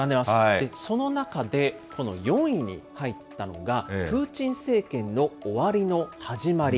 その中で、この４位に入ったのが、プーチン政権の終わりの始まり。